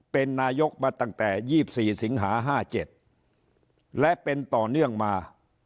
เป็นนายกมาตั้งแต่๒๔สิงหา๕๗และเป็นต่อเนื่องมา